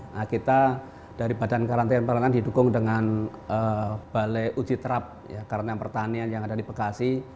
nah kita dari badan karantian perlengkapan didukung dengan balai uji terap ya karantian pertanian yang ada di bekasi